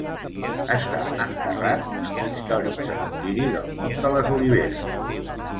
Està enterrat en l'històric Cementiri del Mont de les Oliveres.